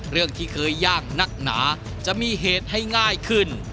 เรื่องที่เคยยากนักหนาจะมีเหตุให้ง่ายขึ้น